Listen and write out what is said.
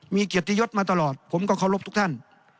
มีเกียรติยศมาตลอดผมก็เคารพทุกท่าน